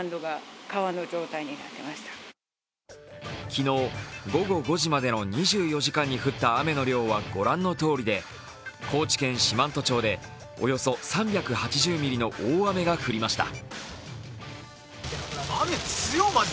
昨日午後５時までの２４時間に降った雨の量は御覧のとおりで高知県四万十町でおよそ３８０ミリの大雨が降りました。